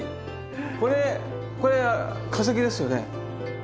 これこれは化石ですよね。